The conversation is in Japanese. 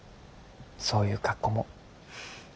そういう格好も。